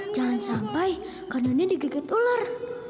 jangan sampai karena ini digigit ular